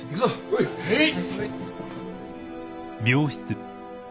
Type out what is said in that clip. はい。